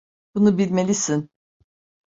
Bunu bilmelisin.